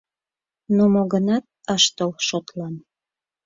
Но мо-гынат ыш тол шотлан.